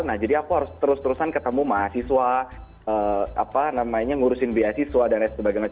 nah jadi aku harus terus terusan ketemu mahasiswa apa namanya ngurusin beasiswa dan lain sebagainya